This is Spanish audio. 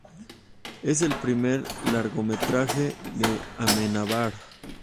Es el primer largometraje de Amenábar.